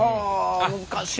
難しいな。